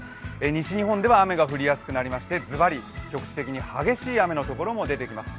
西日本では雨が降りやすくなりまして、ズバリ、局地的に激しい雨のところも出てきます。